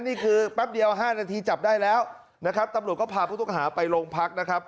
แป๊บเดียว๕นาทีจับได้แล้วนะครับตำรวจก็พาผู้ต้องหาไปโรงพักนะครับ